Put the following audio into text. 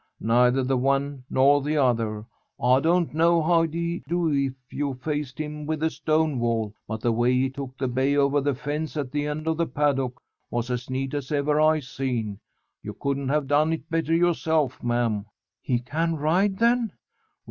Neither the one nor the other. I don't know how he'd do if you faced him with a stone wall, but the way he took the bay over the fence at the end of the paddock was as neat as ever I seen. You couldn't have done it better yourself, ma'am." "He can ride, then?"